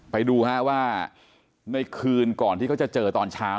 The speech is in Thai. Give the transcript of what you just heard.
ไปดูฮะว่าในคืนก่อนที่เขาจะเจอตอนเช้า